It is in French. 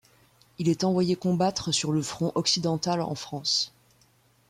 Il est envoyé combattre sur le front occidental en France.